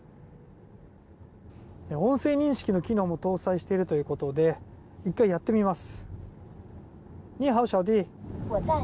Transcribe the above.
音声認識の機能も搭載しているということで１回、やってみます。